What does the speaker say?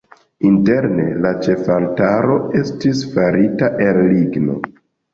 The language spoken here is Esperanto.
Interne la ĉefaltaro estis farita el ligno.